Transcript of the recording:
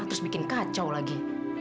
terus bikin kacau lagi